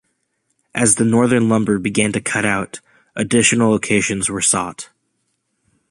As the northern lumber began to cut out additional locations were sought.